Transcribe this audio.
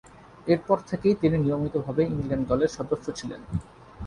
এরপর থেকেই তিনি নিয়মিতভাবে ইংল্যান্ড দলের সদস্য ছিলেন।